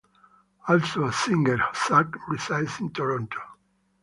Also a singer, Hossack resides in Toronto.